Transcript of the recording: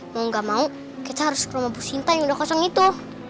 mau gak mau kita harus ke rumah bu sinta yang udah kosong itu